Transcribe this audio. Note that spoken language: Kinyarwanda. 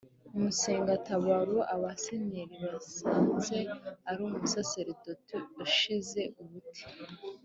Musengatabaro Abasenyeri basanze ari umusaserdoti ushize ubute